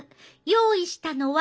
用意したのは卵。